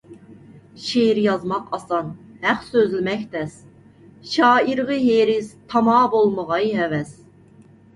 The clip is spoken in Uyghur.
شېئىر يازماق ئاسان، ھەق سۆزلىمەك تەس، شائىرغا ھېرىس تاما بولمىغاي ھەۋەس.